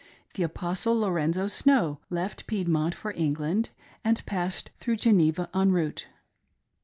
The Apostle Lorenzo Snow left Piedmont for England and passed through Geneva en route.